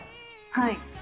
はい。